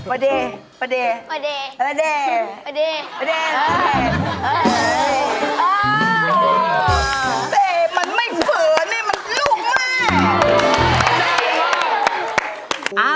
อ่าเปมมันไม่เผลอเน่มันลูกแม่